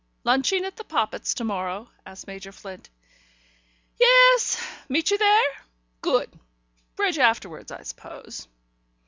"Lunching at the Poppit's to morrow?" asked Major Flint. "Yes. Meet you there? Good. Bridge afterwards I suppose."